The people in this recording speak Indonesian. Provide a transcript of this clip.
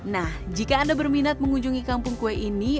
nah jika anda berminat mengunjungi kampung kue ini